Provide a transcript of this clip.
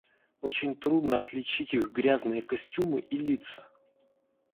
Очень трудно отличить их грязные костюмы и лица.